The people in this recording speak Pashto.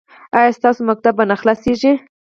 ایا ستاسو ښوونځی به نه خلاصیږي؟